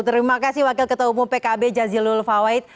terima kasih wakil ketua umum pkb jazilul fawait